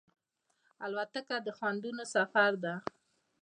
الوتکه د خوندونو سفر دی.